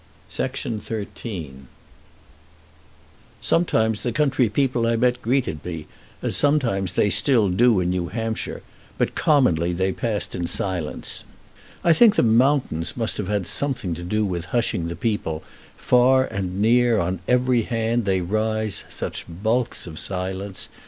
[Illustration: Washing Clothes in the Lake] XIII Sometimes the country people I met greeted me, as sometimes they still do in New Hampshire, but commonly they passed in silence. I think the mountains must have had something to do with hushing the people: far and near, on every hand, they rise such bulks of silence.